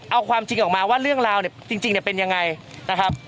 เอาความจริงออกมาว่าเรื่องราวเนี่ยจริงเป็นยังไงนะครับ